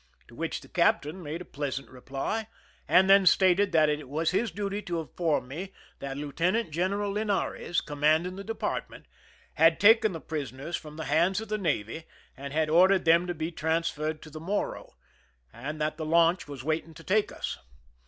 To which the captain made a pleasant reply, and then stated that it was his duty to inform me that Lieu tenant General Linares, commanding the depart ment, had taken the prisoners from the hands of the navy and had ordered them to be transferred to the Morro, and that the launch was waiting to take us.